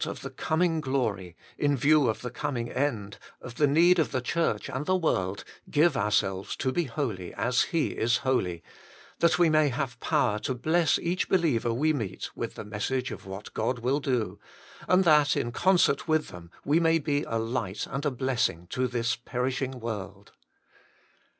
of the coming glory, in view of the coming end, of the need of the Church and the world, give ourselves to be holy as He is holy, that we may have power to bless each believer we meet with the message of what God will do, and that in concert with them we may be a light and a blessing to this perishing world